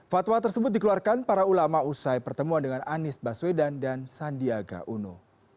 fatwa tersebut dikeluarkan para ulama usai pertemuan dengan anies baswedan dan sandiaga uno